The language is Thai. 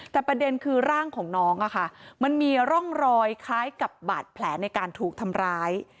แต่ประเด็นคือร่างของน้องมันมีร่องรอยคล้ายกับบาดแผลในการถูกทำร้าย